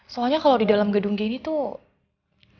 soalnya kalo di dalam gedung gini tuh